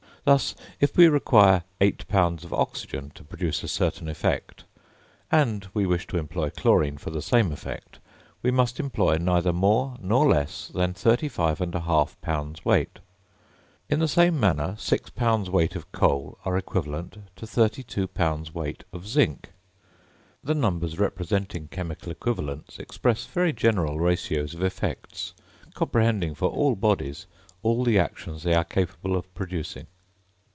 Thus, if we require 8 pounds of oxygen to produce a certain effect, and we wish to employ chlorine for the same effect, we must employ neither more nor less than 35 1/2 pounds weight. In the same manner, 6 pounds weight of coal are equivalent to 32 pounds weight of zinc. The numbers representing chemical equivalents express very general ratios of effects, comprehending for all bodies all the actions they are capable of producing.